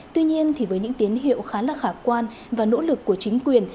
tuy nhiên với những tiến hiệu khá là khả quan và nỗ lực của chính quyền